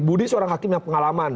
budi seorang hakim yang pengalaman